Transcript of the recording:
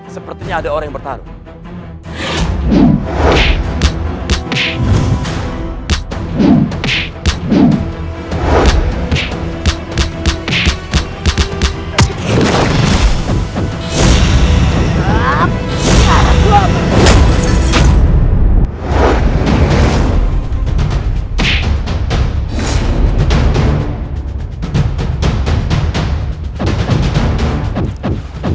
sepertinya ada orang yang bertarung